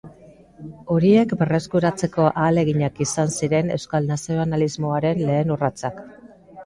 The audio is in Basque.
Horiek berreskuratzeko ahaleginak izan ziren euskal nazionalismoaren lehen urratsak.